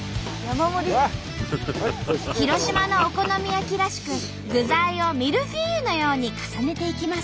広島のお好み焼きらしく具材をミルフィーユのように重ねていきます。